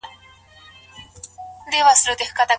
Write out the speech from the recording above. که د قرآن کريم آياتونه وګورو څه معلوميږي؟